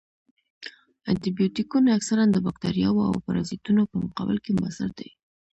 انټي بیوټیکونه اکثراً د باکتریاوو او پرازیتونو په مقابل کې موثر دي.